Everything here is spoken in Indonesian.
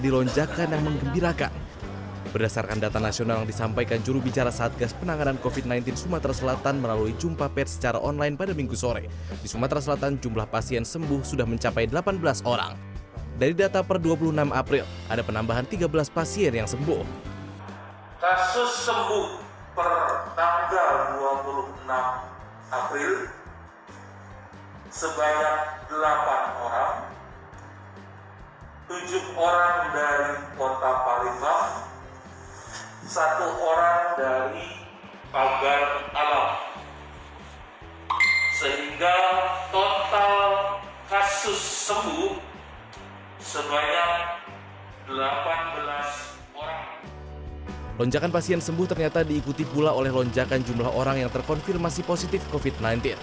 lonjakan pasien sembuh ternyata diikuti pula oleh lonjakan jumlah orang yang terkonfirmasi positif covid sembilan belas